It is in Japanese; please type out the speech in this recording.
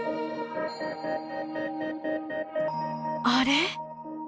あれ！？